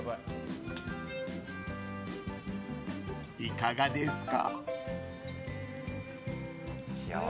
いかがですか？